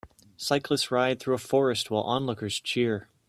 Cyclists ride through a forest while onlookers cheer